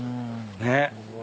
ねっ。